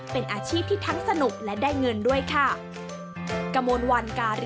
เป็นอาชีพที่ทั้งสนุกและได้เงินด้วยค่ะ